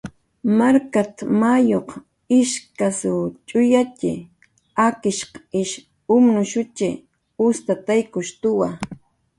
"Markat"" mayuq ishkasw ch'uyatxi, akishq ish umnushuwa, ustataykushtuwa"